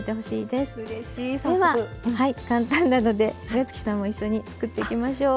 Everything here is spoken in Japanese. では簡単なので岩槻さんも一緒につくっていきましょう。